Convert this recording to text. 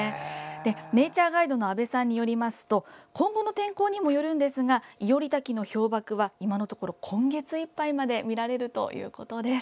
ネイチャーガイドの安倍さんによりますと今後の天候にもよりますが庵滝の氷瀑は今のところ今月いっぱいまで見られるということです。